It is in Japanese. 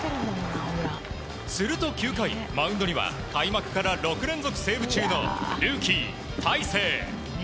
すると９回、マウンドには開幕から６連続セーブ中のルーキー、大勢。